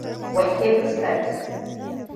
Wanke fuskar ki.